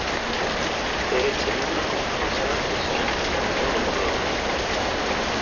Paris d tamanaxt n Frans i d-yezgan deg umenẓaw n Turuft.